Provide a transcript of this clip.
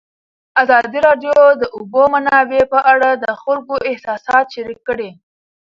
ازادي راډیو د د اوبو منابع په اړه د خلکو احساسات شریک کړي.